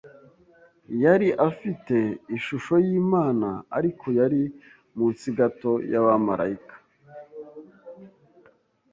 Yari afite ishusho y’Imana, ariko yari munsi gato y’abamarayika.